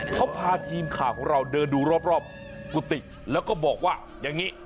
เขาพาทีมข่าวของเราเดินดูรอบกุฏิแล้วก็บอกว่าอย่างนี้